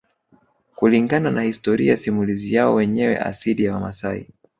Kulingana na historia simulizi yao wenyewe asili ya Wamasai